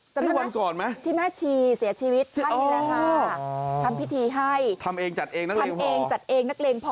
จำไม่มั้ยที่ม่าชีเสียชีวิตให้เลยค่ะทำพิธีให้ทำเองจัดเองนักเลงพอ